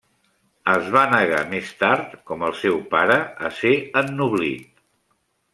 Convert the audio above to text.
Es va negar més tard, com el seu pare, a ser ennoblit.